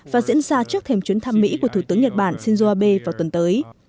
và diễn ra trước thềm chuyến thăm mỹ của thủ tướng nhật bản shinzo abe vào tuần tới